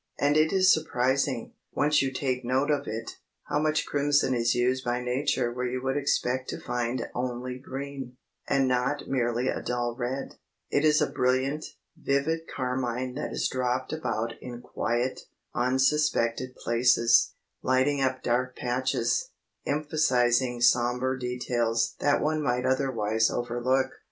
And it is surprising, once you take note of it, how much crimson is used by Nature where you would expect to find only green; and not merely a dull red, it is a brilliant, vivid carmine that is dropped about in quiet, unsuspected places, lighting up dark patches, emphasizing sombre details that one might otherwise overlook.